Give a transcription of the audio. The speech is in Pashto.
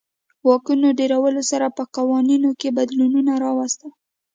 واکونو ډېرولو سره په قوانینو کې بدلونونه راوستل.